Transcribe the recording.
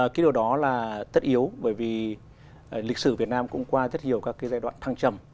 cái điều đó là tất yếu bởi vì lịch sử việt nam cũng qua rất nhiều các cái giai đoạn thăng trầm